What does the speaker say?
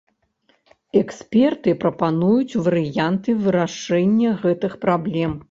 Эксперты прапануюць варыянты вырашэння гэтых праблем.